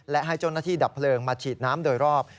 และให้เจ้าหน้าที่ดับเพลิงมาฉีดน้ำโดยรอบ